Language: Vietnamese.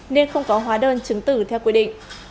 nên không có hóa đơn chứng tử theo quy định